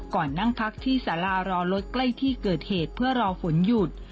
ก่อนนั่งพักที่สารารอรถใกล้ที่เกิดเหตุเพื่อรอฝนหยุด